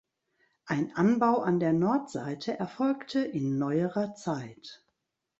Ein Anbau an der Nordseite erfolgte in neuerer Zeit.